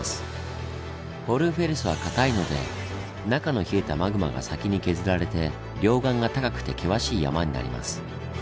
ホルンフェルスはかたいので中の冷えたマグマが先に削られて両岸が高くて険しい山になります。